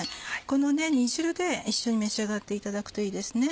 この煮汁で一緒に召し上がっていただくといいですね。